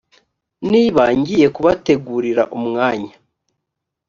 niba ngiye kubategurira umwanya